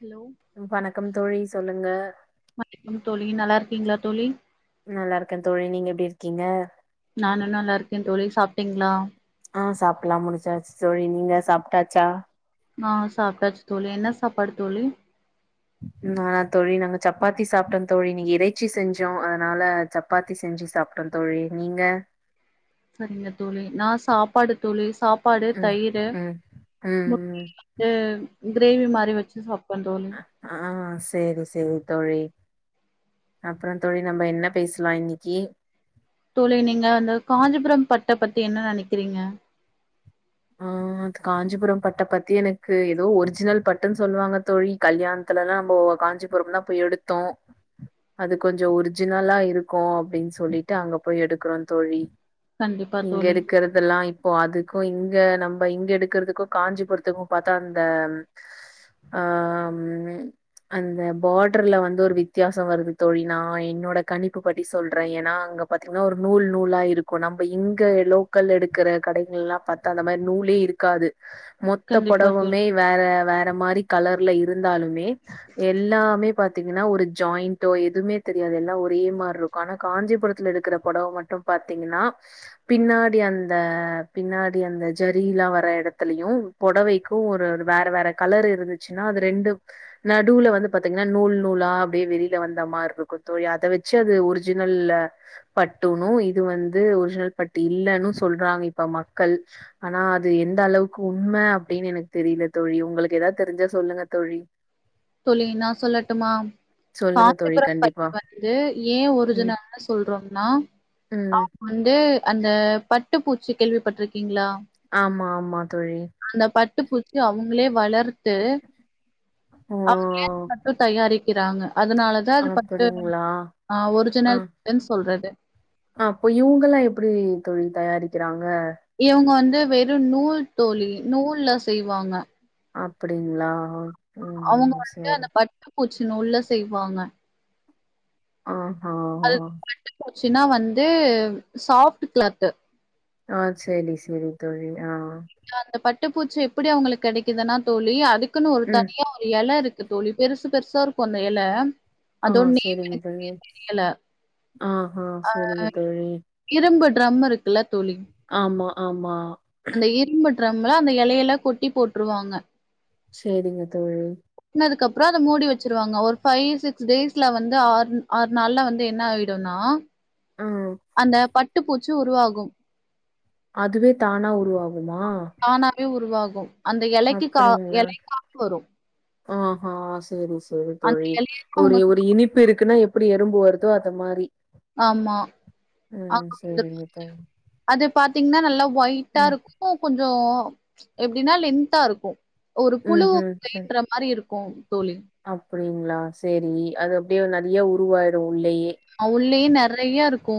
Hello வணக்கம் தோழி சொல்லுங்க வணக்கம் தோழி நல்லா இருக்கீங்களா தோழி நல்லா இருக்கே தோழி நீங்க எப்டி இருக்கீங்க நானு நல்லா இருக்கே தோழி சாப்ட்டீங்களா ஆ சாப்ட்லா முடிச்சாச்சு தோழி நீங்க சாப்ட்டாச்சா ஆ சாப்ட்டாச்சு தோழி என்ன சாப்பாடு தோழி நானா தோழி நாங்க சப்பாத்தி சாப்ட்டோ தோழி இங்க இறைச்சி செஞ்சோ அதனால சப்பாத்தி செஞ்சு சாப்ட்டோ தோழி நீங்க சரிங்க தோழி நா சாப்பாடு தோழி சாப்பாடு ம் தயிரு ம் ம் முட் ம் இது கிரேவி மாரி வச்சி சாப்ப ஆ செரி செரி தோழி அப்புறோ தோழி நம்ம என்ன பேசலா இன்னைக்கு தோழி நீங்க அந்த காஞ்சிபுரம் பட்ட பத்தி என்ன நெனக்கிறீங்க ஆ ம் காஞ்சிபுரம் பட்ட பத்தி எனக்கு ஏதோ ஒரிஜினல் பட்டுன்னு சொல்லுவாங்க தோழி கல்யாண த்துலலா நம்போ காஞ்சிபுரம்லா போய் எடுத்தோ அது கொஞ்சோ ஒர்ஜினலா இருக்கு அப்டின்னு சொல்லிட்டு அங்க போய் எடுக்குறோ தோழி கண்டிப்பா இங்க தோழி எடுக்குறதெல்லா இப்போ அதுக்கு இங் க நம்ம இங்க எடுக்குறதுக்கு காஞ்சிபுரத்துக்கும் பாத்தா அந்த ஆ அந்த பார்டர்ல வந்து ஒரு வித்தியாச வருது தோழி நா என்னோட கணிப்பு படத்தி சொல்றே ஏன்னா அங்க பாத்தீங்கன்னா ஒரு நூல் நூலா இருக்கு நம்ம இங்க லோக்கல் எடுக்குற கடைகள்லா பாத் த அந்த மாதிரி நூலே இருக்காது மொத்த கண்டிப்பா தோழி பொடவுமே வேற வேற மாரி கலர்ல இருந்தாலுமே எல்லாமே பாத்தீங்கன்னா ஒரு ஜாயிண்டோ எதுவுமே தெரியாது எல்லா ஒரே மாரி இருக்கு ஆனா காஞ்சிபுரத்துல எடுக்கிற பொடவ மட்டு பாத்தீங்ன்னா பின்னாடி அந்த பின்னாடி அந்த ஜரில்லா வர எடத்துலயு பொடவைக்கு ஒரு வேற வேற கலர் இருந்துச்சுன்னா அது ரெண்டு நடுல வந்து பாத்தீங்கன்னா நூல் நூலா அப்டியே வெளியில வந்த மாரி இருக்கு தோழி அத வச் பிச்சது ஒரிஜினல்லல பட்டுணும் இது வந்து ஒரிஜினல் பட்டு இல்லைன்னு சொல்றாங்க இப்ப மக்கள் ஆனா அது எந்த அளவுக்கு உண்மை அப்படின்னு எனக்கு தெரியல தோழி உங்களுக்கு ஏதாவது தெரிஞ்சா சொல்லுங்க தோழி சொல்லனா சொல்லட்டுமா சொல்லுங்க தோழி காஞ்சிபுரம் பள்ளி கண்டிப்பா வந்து ஏன் ம் ஒரிஜினல்னு சொல்றோம்னா ம் வந்து அந்த பட்டு பூச்சி கேள்விப்பட்டிருக்கீங்களா ஆமா ஆமா தோழி அந்த பட்டு பூச்சி அவங்களே வளர்த்து ஓ அவங்கே அது மட்டு தயாரிக்கிறாங்க அதனாலதா சார் பத்து அப்டிங்களா ஒரு ஆ ஜனள்ன்னு சொல்றது அப்போ இவங்க எல்லா எப்படி தொழில் தயாரிக்கிறாங்க இவங்க வந்து வெறும் நூல் தோழி நூல்ல செய்வாங்க அப்படிங்களா அவங்க வந்துட்டு அந்த பட்டை பூச்சி நூல்ல செய்வாங்க ஆ ப போச்சுன்னா வந்து சாஃப்ட் கிளாத் ஆ சரி சரி தோழி ஆ அந்த பட்டுப்பூச்சி எப்படி அவங்களுக்கு கிடைக்குதுன்னா தோல்லி அதுக்குன்னு ஒரு ம் தனியா இலை இருக்கு தோழி பெருசு பெருசா இருக்கும் அந்த இலை ஆ சரிங்க தோழி ஆ சரசரிங்க தோழி இரும்பு டிரம் இருக்குல்ல தோழி ஆமா ஆமா அந்த இரும்புட்டுறம்ல அந்த இலையெல்லா கொட்டி போட்டுருவாங்க சரிங்கத்தோழி னதுக்கு அப்புறம் அதை மூடி வச்சருவாங்க ஒரு ஃபைவ் சிக்ஸ் டேஸ்ல வந்து ஆ ஆறு நாள்ல வந்து என்ன ஆய னா ஆ அந்த பட்டு பூச்சி உருவாகு அதுவே தானா உருவாகுமா தானாவே உருவாகு அந்த இலைக்கு கா இலைக்காக வரு ஆ சரி சரி அந்த தோழி எலைய அவங்க ஒரு ஒரு இனிப்பு இருக்குன்னா அப்படி எறும்பு வருதோ அது மாதிரி ஆமா சரிங்க தோழி. அது பாத்தீங்கன்னா நல்லா ஒயிட்டா ம். இருக்கு கொஞ்சம் எப்படின்னா லென்தா இருக்கம் ஒரு புழு ம்ஹ்ம். சரி. பயந்த மாறி இருக்கு தோழி அப்படிங்களா சரி அது அப்படியே நிறைய உருவாயிடும் உள்ளல்லயே யும் நிறைய இருக்கு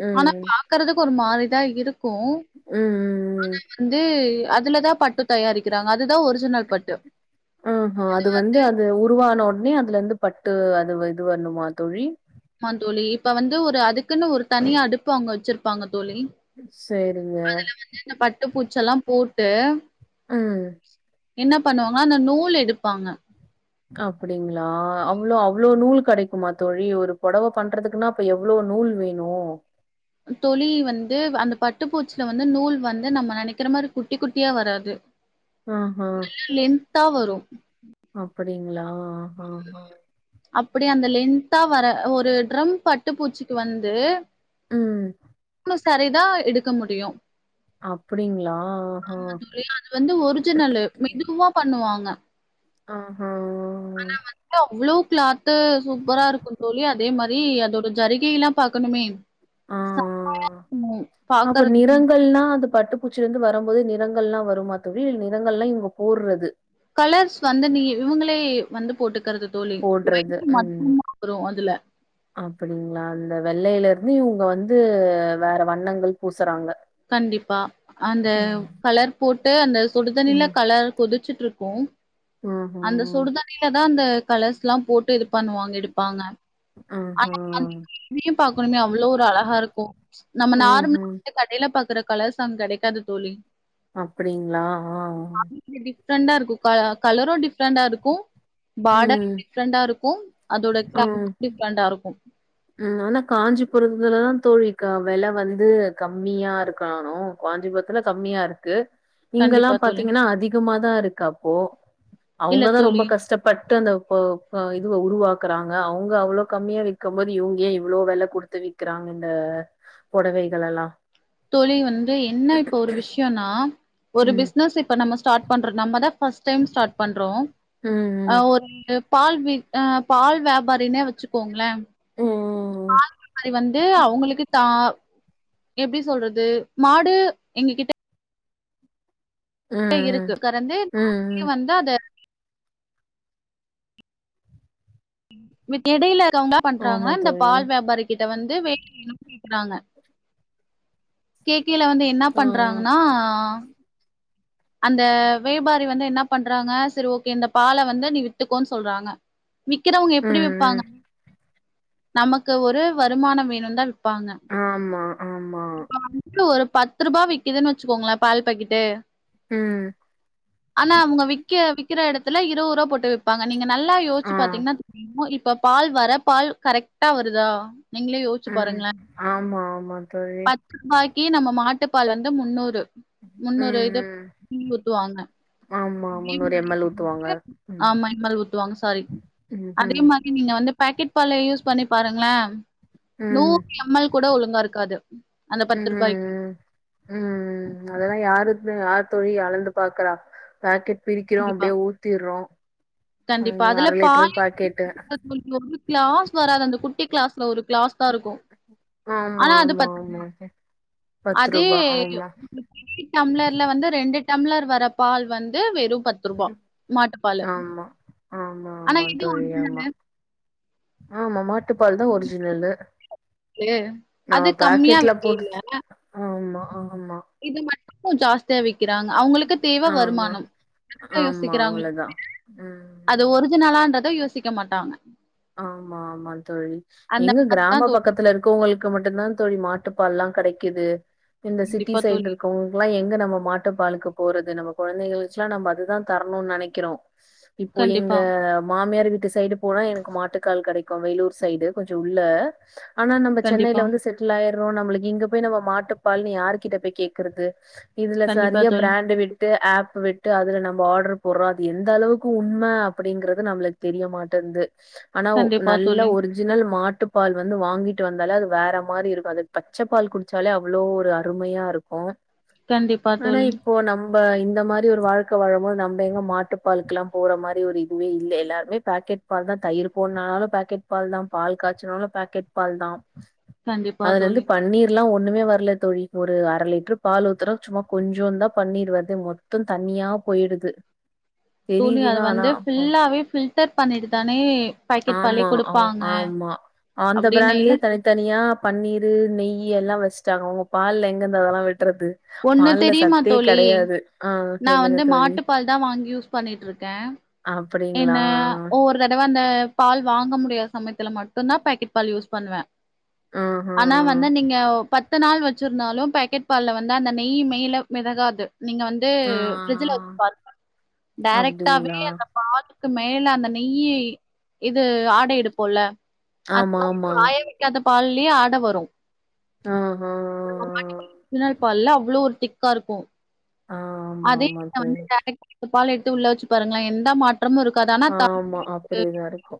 ம் இருக்கறதுக்கு ஒரு மாதறிதா இருக்கு ம் ம் ஆனா ம். வந்து அதுலதா பட்டு தயாரிக்கிறாங்க அதுதா ஒரிஜினல் பட்டு ம் அது வந்து அது உருவான உடனே அதுல இருந்து பட்டு அது இது வரணுமா தோழி ஆ தோழி இப்ப வந்து ஒரு அதுக்குன்னு ஒரு தனியா அடுப்பு அங்க வச்சிருப்பாங்க தோழி சரிங்க பட்டு பூச்செல்லாம் போட்டு ம் என்ன பண்ணுவாங்க அந்த நூல் எடுப்பாங்க அப்டிங்ளா அவ்ளோ அவ்ளோ நூல் கடைக்குமா தோழி ஒரு பொடவை பண்றதுக்குன்னா அப்ப எவ்ளோ நூல் வேணூ தோழி வந்து அந்த பட்டுப்பூச்சில வந்து நூல் வந்து நம்ம நெனைக்கிற மாரி குட்டி குட்டியா வராது ஆஹா! நல்லா லென்த்தா வரு அப்படிங்ளா ஆஹ்ஹா அப்படி அந்த லென்த்தா வர ஒரு ட்ரம் பட்டுப்பூச்சிக்கு வந்து ம் கு சாரிதா எடுக்க முடியு அப்படிங்களா? ஆஹா! ஆமா தோழி அது வந்து ஒரிஜினல்லு மெதுவா பண்ணுவாங்க ஆஹா ஆனா வந் து அவ்ளோ க்ளாத்து சூப்பரா இருக்கூ தோழி அதே மாரி அதோட ஜருகையெல்லா பாக்கணுமே ஆ அப்ப பாக்கறதுக்கு நிறங்கள்னா அது பட்டு பூச்சிலருந்து வரம் போது நிறங்கள் எல்லாம் வரும்மா தோழி நிறங்கள் எல்லாம் இவுங்க போட்றது கலர்ஸ் வந்து நீ இவுங்களே வந்து போட்டுக்கறது தோழி போடுறது. [inaudible] வரு அதுல அப்படிங்ளா அந்த வெள்ளையிலருந்து இவுங்க வந்து வேற வண்ணங்கள் பூசுறாங்க கண்டிப்பா அந்த ம். கலர் போட்டு அந்த சுடுதண்ணில கலர் கொதிச்சுட்ருக்கூ ம் அந்த ம்ஹ்ம். சுடுதண்ணில தா அந்த கலர்ஸ்ல்லா போட்டு இது பண்ணுவாங்க எடுப்பாங்க ஆஹா! ஆனா [inaudible] பாக்கணுமே அவ்ளோ ஒரு அழகா இருக்கூ நம்ம நார் ம்ஹ்ம். கடைல பாக்குற கலர்ஸ் அங்க கடைக்காது தோழி அப்டிங்களா ஆ டிஃப்ரெண்டா இருக்கூ கலரு டிஃப்ரெண்டா இருக்கூ பார்டரு ம். டிஃப்ரெண்டா இருக்கூ அதோட ஆ. [inaudible] டிஃப்ரண்டா இருக்கூ ம் ஆனா காஞ்சிபுரத்துலதா தோழி வெல வந்து கம்மியாருக்கணு காஞ்சிபுரத்துல கம்மியா இருக்கு கண்டிப்பா இங்கெல்லாம் தோழி பாத்தீங்கன்னா அதிகமாதான் இருக்கப்போ இல்ல அவுங்கதா ரொம்ப தோழி கஷ்டப் பட்டு அந்த இதுவ உருவாக்குறாங்க அவுங்க அவ்ளோ கம்மியா விக்க போது இவுங்க ஏ இவ்ளோ வெல குடுத்து விக்கிறாங்க இந்த பொடவைகளல்லா தோழி வந்து என்ன இப்ப ஒரு விஷயன்னா ஒரு ம். பிஸ்னஸ் இப்ப நம்ம ஸ்டார்ட் பண்றோ நம்ம தா ஃபஸ்ட் டைம் ஸ்டார்ட் பண்றோ ம், அ ம். ஒரு பால் வி அ பால் வியாபாரினே வச்சுக்கோங்களே ம், ம், பால் வியாபாரி வந்து அவுங்களுக்கு தா எப்டி சொல்றது மாடு எங்க கிட்ட ம். ம், இருக்கு கறந்து ம். ம். [inaudible] வந்து அத வித் எடையில இருக்கவுங்க என்னா ஆமா பண்றாங்கன்னா இந்த தோழி. பால் வியாபாரி கிட்ட வந்து [inaudible] கேக்கயில வந்து என்னா ஆ. பண்றாங்கன்னா அந்த வியாபாரி வந்து என்னா பண்றாங்க சரி ஓகே இந்த பால வந்து நீ வித்துக்கோன் சொல்றாங்க விக்கிறவுங்க ம், எப்புடி விப்பாங்க ம். நமக்கு ஒரு வருமானம் வேணுன்ந்தா விப்பாங்க ஆமா ஆமா இப்ப வந்துட்டு ஒரு பத்து ரூபா விக்குதுன்னு வச்சுக்கோங்களே பால் பாக்கெட்டு ம் ஆனா அவுங்க வி்க்க விக்கற இடத்துல இருவது ரூவா போட்டு விப்பாங்க நீங்க நல்லா யோஸ்ச்சு ஆ. பாத்தீங்கன்னா தெரியு இப்ப பால் வர பால் கரெக்டா வருதா நீங்களே யோஸ்ச்சு ம். பாருங்ளே ஆமா, ஆமா தோழி. பத் ரூபாய்க்கி நம்ம மாட்டுப்பால் வந்து முன்னூறு ம் ம் ம் ஊத்துவாங்க ஆமா முன்னூறு எம் எல் ஊத்துவாங்க ம் ஆமா இந் மாரி ஊத்துவாங்க சாரி ம் அதே மாரி நீங்க வந்து பாக்கெட் பாலையு யூஸ் பண்ணி பாருங்ளே ம் நூறு எம் எல் கூட ஒழுங்கா இருக்காது அந்த பத்து ருபாய்க்கு ம் ம் அதெல்லா யாரு யார் தோழி அளந்து பாக்குறா பாக்கெட் பிரிக்கிறோ கண்டிப்பா அப்டியே ஊத்திர்றோ அந்த அர லிட்ரு பாக்கெட்டு் உங்ளுக்கு ஒரு கிளாஸ் வராது அந்த குட்டி கிளாஸ்ல ஒரு க்ளாஸ் தா இருக்கு ஆமா ஆனா அது ஆமா பத் ஆமா பத்து அதே ரூபா ஆமா குட்டி டம்ளர்ல வந்து ரெண்டு டம்ளர் வர பால் வந்து வெறும் பத் பத்து ருபா மாட்டுப்பாலு ஆமா ஆமா ஆனா ஆமா இதே தோழி ஆமா ஒரிஜினலு ஆமா மாட்டுப்பால் தா ஒரிஜினலு [unintelligible] நம்ம அது கம்மியா பாக்கெட்ல விக்கியில்ல போட்டு ஆமா ஆமா இது மட்டு கொஞ் ஜாஸ் தா விக்கிறாங்க அவுங்களுக்கு தேவ ஆமா வருமானம் அப்டிதா ஆமா யோசிக்கிறாங்க அவ்ளோதா ம் அது ஒரிஜினலான்றத யோசிக்க மாட்டாங்க ஆமா ஆமா தோழி அந்த எங்க மாரி கிராம தான் தோழி. பக்கத்துல இருக்கவுங்ளுக் க்கு மட்டுந்தா தோழி மாட்டுப்பால்லா கெடைக்குது இந்த சிட்டி கண்டிப்பா சைட்ல தோழி. இருக்கவ்ங் கல்லா எங்க நம்ம மாட்டுப்பாலுக்கு போறது நம்ம கொழந்தைகளுக்கு எல்லா நம்ம அதுதா தரணுன் நெனைக்கிறோ இப்போ எங்க கண்டிப்பா, மாமியார் வீட்டு சைடு போனா எனக் மாட்டுக்கால் கெடைக்கு வேலூர் சைடு கொஞ்ச உள்ள ஆனா நம்ம கண்டிப்பா, சென்னைல வந்து செட் ட்டில் ஆயிற்றோ நம்மளுக்கு இங்க போயி நம்ம மாட்டுப்பால்னு யார்கிட்ட போய் கேக்கறது இதுல கண்டிப்பா சரியா தோழி. ப்ராண்ட்டு விட் டு ஏப்பு விட்டு அதுல நம்ப ஆட்ரு போட்றோ அது எந்தளவுக்கு உண்ம அப்டிங்கறது நம்ளுக் தெரியமாட்டேன்து ஆனா ஒ கண்டிப்பா நல்ல தோழி. ஒர் ஜினல் மாட்டு பால் வந்து வாங்கிட்டு வந்தாலே அது வேற மாறி இருக்கு அது பச்ச பால் குடிச்சாலே அவ்ளோ ஒரு அருமையா இருக் கு கண்டிப்பா தோழி இப்போ நம்ப இந்த மாரி ஒரு வாழ்க்க வாழும் போது நம்ப எங்க மாட்டுப்பாலுக்கெலா போற மாரி ஒரு இதுவே இல்ல எல்லாருமே பாக்கெட் பால் தா தயிர் போட்னாலு பாக்கெட் பால் தா பால் காச்சுனாலு பாக்கெட் பால் தா கண்டிப்பா அதுலந்து தோழி பன்னீர் எல்லா ஒண்ணுமே வர்ல தோழி ஒரு அர லிட்ரு பால் ஊத்துன சும்மா கொஞ்சுண்தா பன்னீர் வருது மொத் து தண்ணியா போயிடுது தோழி தெரியுது அது தான் ஆனா. வந்து அப்போ- ஃபில்லாவே ஃபில்டர் பண்ணிட்டு தானே பாக்கெட் பாலே ஆமா குடுப்பாங்க ஆமா அந்த அப்டின்னைல பிராண்ட்லயே தனித் தனியா பன்னீரு நெய் எல்லா வெச்சுட்டாங்க அவுங்க பால்ல எங்கருந்து அதெல்லா விட்றது ஒண்ணு பால்ல தெரியுமா சத்தே தோழி கெடையாது. ஆ நா சொல்லுங்க வந்து தோழி. மாட்டுப்பால் தா வாங்கி யூஸ் பண்ணிட்ருக்க அப்டிங்களா? என்ன ஒவ்வொரு தடவ அந்த பால் வாங்க முடியாத சமயத்துல மட்டுந் தா பேக்கெட் பால் யூஸ் பண்ணுவே ஆனா ம்ஹ்ம். வந்து நீங்க பத் து நாள் வெச்சிருந்தாலு பேக்கெட் பால்ல வந்து அந்த நெய் மேல மெதகாது நீங்க வந் து ஆ. பிரிட்ஜில வெச்சு பாருங்க டைரக்ட்டாவே அப்டிங்களா? அந்த பாலுக்கு மேல அந்த நெய்யி இது ஆடையெடுப்போல்ல அந்த மாரி ஆமாமா. காய வெக்காத பால்லியே ஆட வரு அ அ [unintelligible] பால்ல அவ்ளோ ஒரு திக்கா இருக்கு அதே ஆமாமா தோழி. [unintelligible] பால் எடுத்து உள்ள வச்சு பாருங்களே எந்த மாற்றமு இருக்காது ஆன் ஆமா அப்படிதா இருக்கு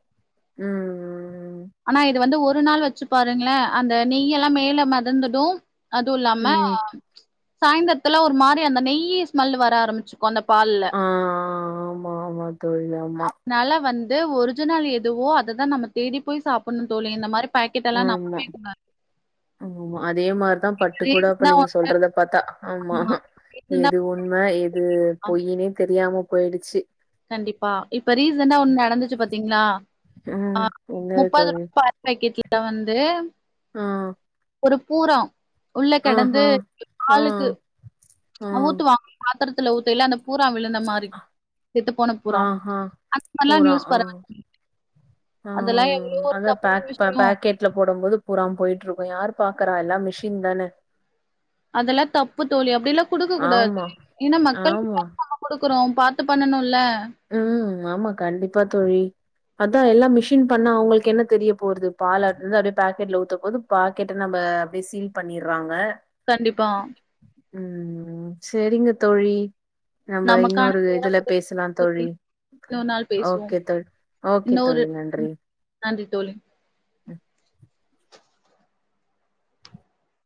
ம் ம் ம் ஆனா இது வந்து ஒரு நாள் வச்சு பாருங்களே அந்த நெய் எல்லா மேல மெதந்துடும் அதுவு இல்லாம ம். சாய்ந்தரத்துல ஒரு மாரி அந்த நெய் ஸ்மெல் வர ஆரம்பிச்சு கொந்த பால்ல ஆ ஆமா, ஆமா தோழி. ஆமா. நாலா வந்து ஒரிஜினல் எதுவோ அததான் நம்ம தேடி போய் சாப்டணும் தோழி இந்த மாரி பாக்கெட் எல்லா ஆமா நம்பவே கூடாது ஆமா ஆமா அதே மாரிதா பட்டு கூட அப்ப ரீசண்டா நீங்க ஒன்னு சொல்றத பத்தா ஆமா ரீசண்டா எது உண்மை எது ஆ பொய்னே தெரியாம போயிடுச்சு கண்டிப்பா இப்ப ரீசன்டா ஒண்ணு நடந்துச்சு பாத்தீங்களா ஆ ம். என்னது முப்பது தோழி? [unintelligible] [unintelligible] வந்து ம் ஒரு பூரம் உள்ள கிடந்து ஆஹா. ஆ. ஆளுக்கு ஆ. ஊட்டு வாங்க பாத்ரத்துல வூத்த இல்ல அந்த பூரா விழுந்த மாரி செத்து போன பூரா ஆஹா. அந்த மாரிலா நியூஸ் பரவ அ அதெல்லா எவ்ளோ ஒரு அத ப தப்பான விஷயோ பக்கெட் வீட்டுல போடும் போது பூரா போயிட்டு இருக்கு யாரு பாக்குற எல்லா மிஷின் தான அதெல்லா தப்பு தோழி அப்படில்லா குடுக்க கூடாது ஆமா, ஏன்னா மக்கள் ஆமா. [inaudible] குடுக்குறோம் பாத்து பண்ணனும்ல ம் ஆமா கண்டிப்பா தோழி அதா எல்லா மிஷின் பண்ணா அவங்களுக்கு என்ன தெரிய போறது பால் அந்து அப்டியே பேக்கெட்ல ஊத்த போது பாக்கெட்டு நம்ம அப்டியே சீல் பண்ணிறாங்க கண்டிப்பா ம் செரிங்க தோழி நம்ம நமக்கான இன்னொரு இதுல நேரம் பேசலாம் தோழி இன்னொரு நாள் பேசுவோம் ஓகே தோழி ஓகே இன்னொரு தோழி நன்றி நன்றி தோழி